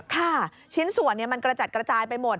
ชิ้นส่วนมันกระจัดกระจายไปหมด